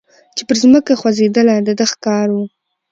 چي پر مځکه خوځېدله د ده ښکار وو